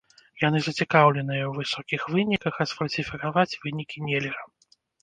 Яны зацікаўленыя ў высокіх выніках, а сфальсіфікаваць вынікі нельга.